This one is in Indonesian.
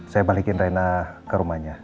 saya balikin raina ke rumahnya